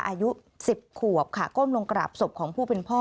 อายุ๑๐ขวบค่ะก้มลงกราบศพของผู้เป็นพ่อ